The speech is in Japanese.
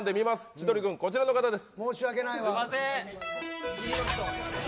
千鳥軍、こちらの方です。